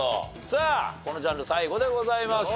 さあこのジャンル最後でございます。